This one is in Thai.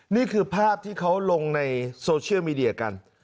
นี่คือภาพที่เขาลงในโซเชียลมีเดียกัน